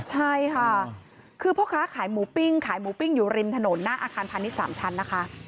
ใช่ค่ะคือพ่อค้าขายหมูปิ้งขายหมูปิ้งอยู่ริมถนนหน้าอาคารพาณิชย์๓ชั้นนะคะ